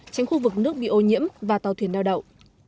tránh khu vực nước bị ô nhiễm và tàu thuyền đau đậu